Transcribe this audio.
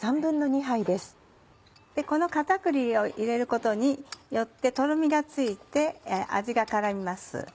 この片栗を入れることによってとろみがついて味が絡みます。